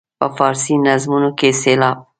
په فارسي نظمونو کې سېلاب.